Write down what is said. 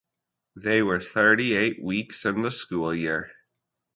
There were thirty-eight weeks in the school year.